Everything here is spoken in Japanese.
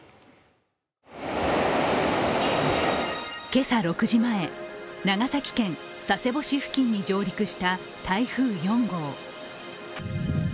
今朝６時前、長崎県佐世保市付近に上陸した台風４号。